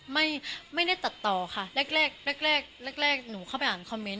ไม่ได้ตัดต่อค่ะแรกแรกแรกแรกหนูเข้าไปอ่านคอมเมนต